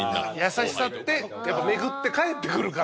優しさってやっぱ巡って返ってくるから。